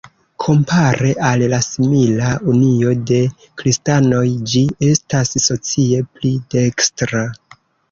Kompare al la simila Unio de Kristanoj ĝi estas socie pli dekstra.